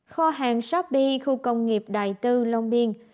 kho hàng shopee khu công nghiệp đại tư long biên